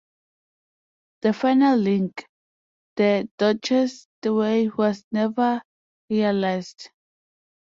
The final link, the Dorchesterway, was never realized.